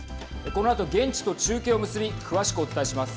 このあと、現地と中継を結び詳しくお伝えします。